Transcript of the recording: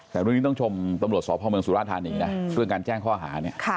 แต่เรื่องนี้ต้องชมตำรวจสพเมืองสุราธานีนะเรื่องการแจ้งข้อหาเนี่ย